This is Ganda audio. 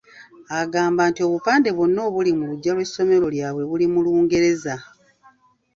Agamba nti obupande bwonna obuli mu luggya lw'essomero lyabwe buli mu Lungereza.